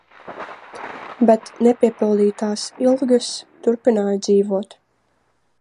Bet nepiepildītās ilgas turpināja dzīvot.